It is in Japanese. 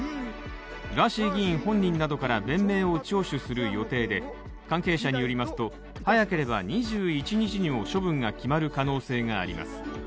ガーシー議員本人などから弁明を聴取する予定で関係者によりますと、早ければ２１日にも処分が決まる可能性があります。